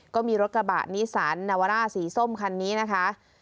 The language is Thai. ก็มีรถกระบะนิสันนาวาร่าสีส้มคันนี้นะคะ